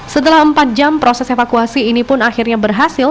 setelah empat jam proses evakuasi ini pun akhirnya berhasil